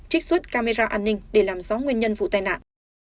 trích xuất camera an ninh để làm rõ nguyên nhân vụ tai nạn